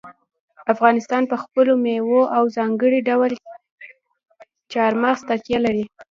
افغانستان په خپلو مېوو او په ځانګړي ډول چار مغز تکیه لري.